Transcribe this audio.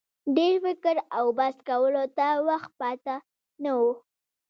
ډېر فکر او بحث کولو ته وخت پاته نه وو.